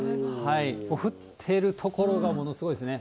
降ってる所がものすごいですね。